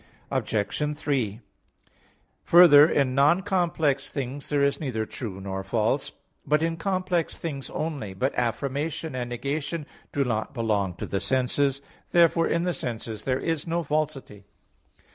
Obj. 3: Further, in non complex things there is neither true nor false, but in complex things only. But affirmation and negation do not belong to the senses. Therefore in the senses there is no falsity.